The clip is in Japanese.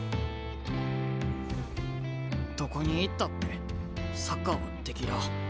どこに行ったってサッカーはできらあ。